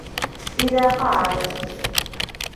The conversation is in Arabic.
إذَا قَعَدْت